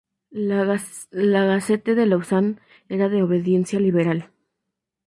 La "Gazette de Lausanne" era de obediencia liberal.